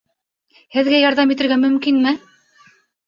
Һеҙгә ярҙам итергә мөмкинме?